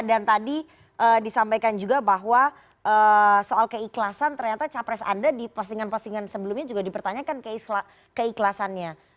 dan tadi disampaikan juga bahwa soal keikhlasan ternyata capres anda di postingan postingan sebelumnya juga dipertanyakan keikhlasannya